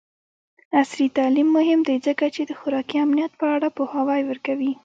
عصري تعلیم مهم دی ځکه چې د خوراکي امنیت په اړه پوهاوی ورکوي.